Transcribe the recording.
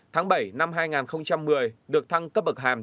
tháng bốn năm hai nghìn bảy được thăng cấp bậc hàm